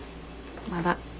まだ。